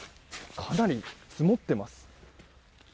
かなり積もっています。